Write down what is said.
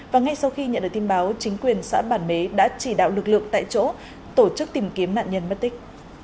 và ngay sau khi nhận được tin báo chính quyền xã bản mế đã chỉ đạo lực lượng tại chỗ tổ chức tìm kiếm nạn nhân mất tích